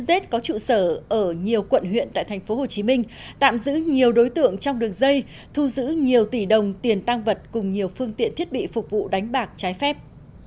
tết có trụ sở ở nhiều quận huyện tại tp hcm tạm giữ nhiều đối tượng trong đường dây thu giữ nhiều tỷ đồng tiền tăng vật cùng nhiều phương tiện thiết bị phục vụ đánh bạc trái phép